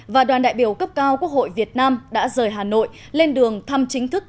và đoàn đại biểu cấp cao quốc hội việt nam đã rời hà nội lên đường thăm chính thức